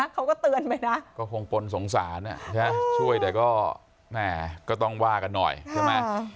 เขาก็เตือนไปนะก็คงปนสงสารช่วยแต่ก็แม่ก็ต้องว่ากันหน่อยใช่ไหม